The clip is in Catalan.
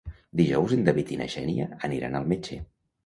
Dijous en David i na Xènia aniran al metge.